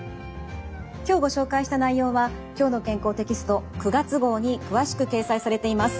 今日ご紹介した内容は「きょうの健康」テキスト９月号に詳しく掲載されています。